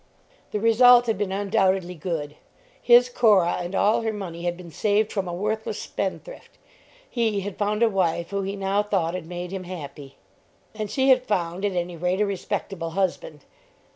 The result had been undoubtedly good. His Cora and all her money had been saved from a worthless spendthrift. He had found a wife who he now thought had made him happy. And she had found at any rate a respectable husband.